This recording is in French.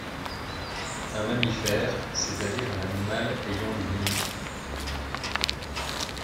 Un mammifère, c'est-à-dire un animal ayant des nénés.